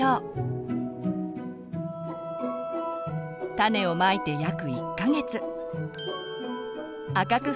種をまいて約１か月。